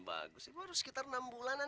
harus masuk dalam dulu ya